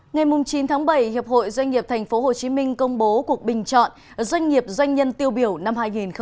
ngày chín tháng bảy hiệp hội doanh nghiệp tp hcm công bố cuộc bình chọn doanh nghiệp doanh nhân tiêu biểu năm hai nghìn hai mươi